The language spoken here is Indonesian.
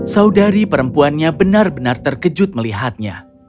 saudari perempuannya benar benar terkejut melihatnya